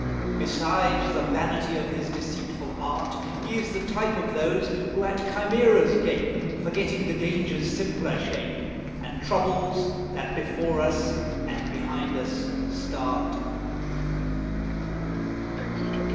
Besides the vanity of his deceitful art, He is the type of those who at chimeras gape, Forgetting danger's simpler shape, And troubles that before us and behind us start.